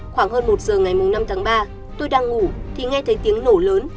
khoảng hơn một giờ ngày năm tháng ba tôi đang ngủ thì nghe thấy tiếng nổ lớn